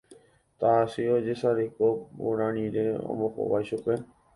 Tahachi ojesareko porã rire ombohovái chupe